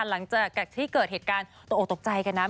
หลังจากที่เกิดเหตุการณ์ตกออกตกใจกันนะ